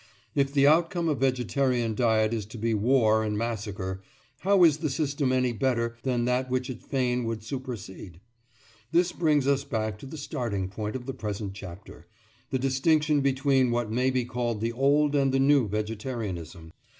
If the outcome of vegetarian diet is to be war and massacre, how is the system any better than that which it fain would supersede? This brings us back to the starting point of the present chapter, the distinction between what may be called the old and the new vegetarianism.